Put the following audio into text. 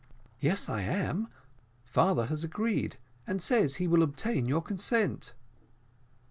"Yes, I am; father has agreed, and says he will obtain your consent."